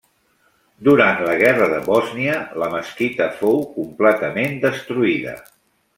Durant la guerra de Bòsnia, la mesquita fou completament destruïda.